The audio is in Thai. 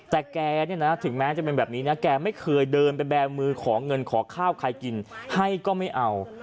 แต่แกเนี่ยนะถึงแม้จะเป็นแบบนี้นะแกไม่เคยเดินไปแบมือขอเงินขอข้าวใครกินให้ก็ไม่เอา